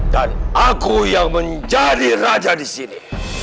dan aku yang menjadi raja disini